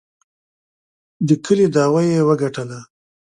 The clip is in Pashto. د کلي دعوه یې وګټله.